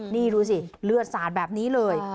นี่ดูสิเลือดสาดแบบนี้เลย